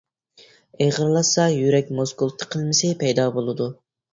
ئېغىرلاشسا يۈرەك مۇسكۇل تىقىلمىسى پەيدا بولىدۇ.